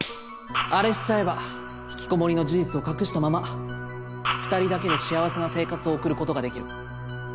あれしちゃえば引きこもりの事実を隠したまま２人だけで幸せな生活を送る事ができる。